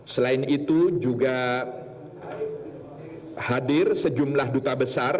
selain itu juga hadir sejumlah duta besar